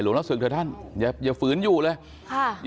หลุงล่อสึกเถอะท่านอยากฝืนอยู่เลย